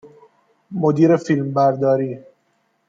مدیر فیلمبرداری